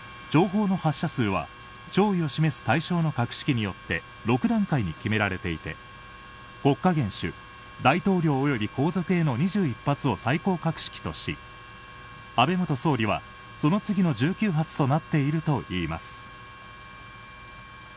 弔砲の発射数は弔意を示す格式によって６段階に決められていて国家元首、大統領など最高格式とし、安倍元総理はその次の１９発となっているといいます。